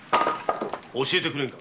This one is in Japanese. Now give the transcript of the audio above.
教えてくれぬか。